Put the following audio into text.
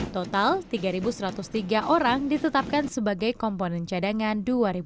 total tiga satu ratus tiga orang ditetapkan sebagai komponen cadangan dua ribu dua puluh